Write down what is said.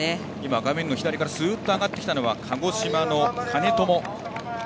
画面の左から上がってきたのは鹿児島の兼友。